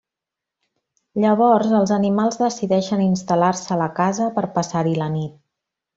Llavors els animals decideixen instal·lar-se a la casa per passar-hi la nit.